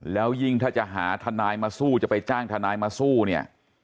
แล้วยิ่งถ้าจะหาทนายมาสู้จะไปจ้างทนายมาสู้เนี่ย